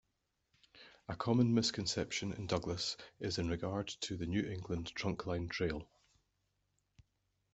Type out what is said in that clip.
A common misconception in Douglas is in regard to the New England Trunkline Trail.